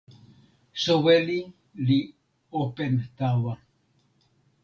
soweli li open tawa.